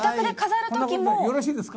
よろしいですか？